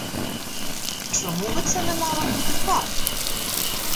Чому би це не мало бути правдою?